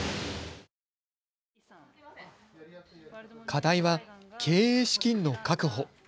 課題は経営資金の確保。